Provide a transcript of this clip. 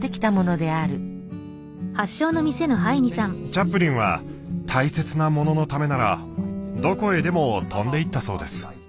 チャップリンは大切なもののためならどこへでも飛んでいったそうです。